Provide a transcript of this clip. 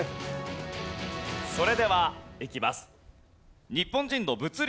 それではいきます。